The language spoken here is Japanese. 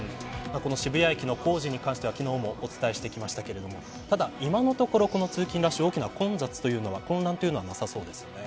この渋谷駅の工事に関しては昨日もお伝えしてきましたけれどもただ今のところ、通勤ラッシュ大きな混乱というのはなさそうですね。